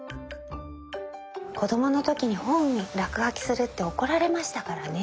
子供の時に本に落書きするって怒られましたからね。